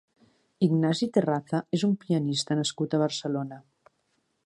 Ignasi Terraza és un pianista nascut a Barcelona.